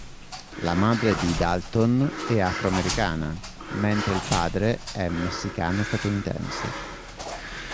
La madre di Dalton è afro-americana mentre il padre è messicano-statunitense.